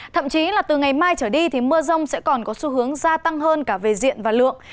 thậm chí là từ ngày mai trở đi thì mưa rông sẽ còn có xu hướng gia tăng hơn cả về diện và lượng